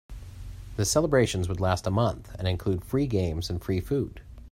The celebrations would last a month and include free games and free food.